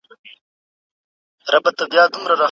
هغه د خلکو زړونو ته لارښود و.